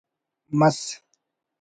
مس